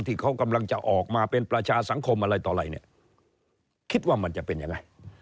ที่เขากำลังจะออกมาเป็นประชาสังคมอะไรต่ออะไรเนี่ยคิดว่ามันจะเป็นยังไง